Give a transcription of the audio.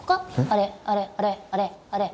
あれあれあれあれ。